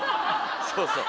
そうそう。